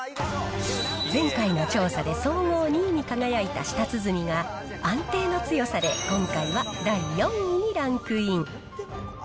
前回の調査で総合２位に輝いた舌鼓が、安定の強さで、今回は第４位にランクイン。